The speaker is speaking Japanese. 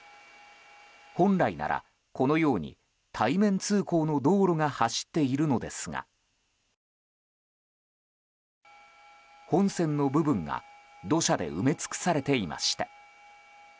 本来なら、このように対面通行の道路が走っているのですが本線の部分が土砂で埋め尽くされていました。